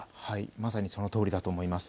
まさにそのとおりだと思います。